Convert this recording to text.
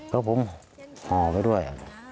ครับผมพ่อไปด้วย